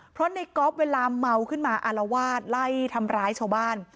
เพราะในก๊อฟเวลาเมาขึ้นมาอารวาสไล่ทำร้ายชาวบ้าน